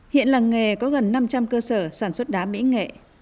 hiện làng nghề có gần năm trăm linh cơ sở sản xuất đá mỹ nghệ